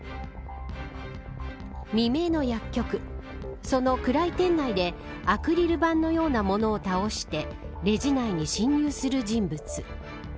未明の薬局その暗い店内でアクリル板のようなものを倒してレジ内に侵入する人物。